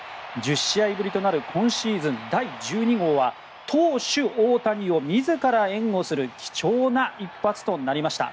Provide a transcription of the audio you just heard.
１０試合ぶりとなる今シーズン第１２号は投手大谷を自ら援護する貴重な一発となりました。